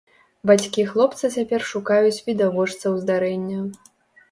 Бацькі хлопца цяпер шукаюць відавочцаў здарэння.